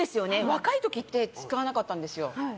若い時って使わなかったんですよ。